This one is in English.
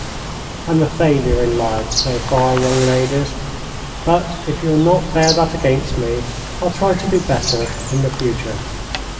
I'm a failure in life, so far, young ladies; but if you'll not bear that against me I'll try to do better in the future."